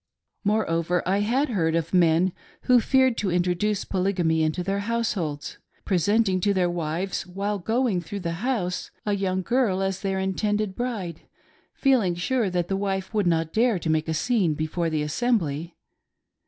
Moreover, I had heard of men who feared to introduce Polygamy into their households, presenting to their wives, while going through the House, a young girl as their intended bride, feeling sure that the wife would not dare to make a scene before the Assembly.